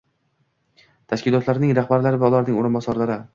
tashkilotlarning rahbarlari va ularning o‘rinbosarlari